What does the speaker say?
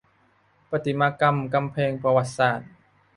ประติมากรรมกำแพงประวัติศาสตร์